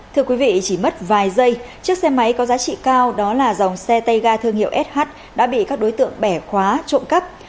thưa quý vị chỉ mất vài giây chiếc xe máy có giá trị cao đó là dòng xe tay ga thương hiệu sh đã bị các đối tượng bẻ khóa trộm cắp